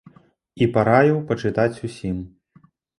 І параіў пачытаць усім.